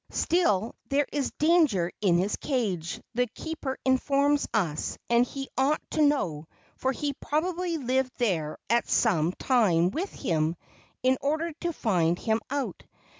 Still there is danger in his cage, the keeper informs us, and he ought to know, for he probably lived there at some time with him in order to find him out.